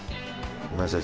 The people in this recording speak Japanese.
ごめんなさい。